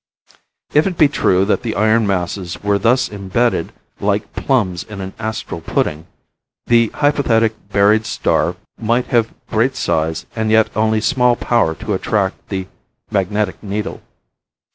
If it be true that the iron masses were thus imbedded, like plums in an astral pudding, the hypothetic buried star might have great size and yet only small power to attract the magnetic needle.